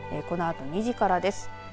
このあと２時からです。